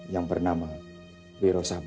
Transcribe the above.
yang bernama wiro sabloh